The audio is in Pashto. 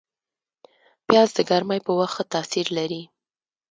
پیاز د ګرمۍ په وخت ښه تاثیر لري